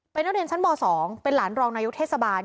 เป็นน้อเรียนชั้นบ่อสองเป็นหลานรองนายุทธศบาล